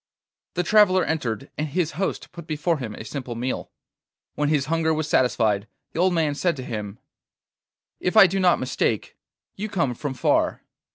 The traveller entered, and his host put before him a simple meal. When his hunger was satisfied the old man said to him: 'If I do not mistake, you come from far.